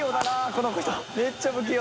この人めっちゃ不器用。